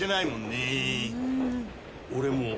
俺も。